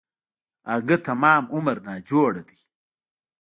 اگه تمام عمر ناجوړه دی.